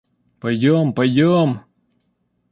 Пойдем, пойдем!